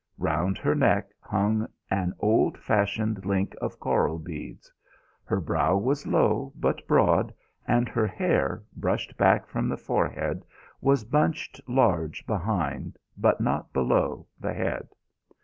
Round her neck hung an old fashioned link of coral beads. Her brow was low but broad, and her hair, brushed back from the forehead, was bunched large behind, but not below, the head.